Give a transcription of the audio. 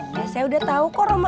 iya saya udah tau kok rumahnya